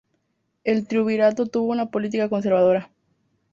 El Triunvirato tuvo una política conservadora.